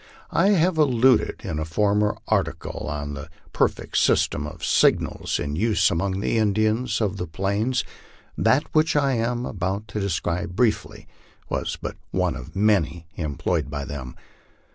I have alluded in a former article to the perfect system of signals in use among the Indians of the plains. That which I am about to describe briefly was but one of many employed by them.